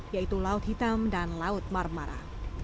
yaitu laut hitam dan laut marmara